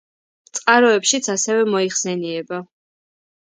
წყაროებშიც ასევე მოიხსენიება.